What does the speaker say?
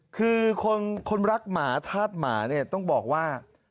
คือคนรักหมาธาตุหมาเนี่ยต้องบอกว่า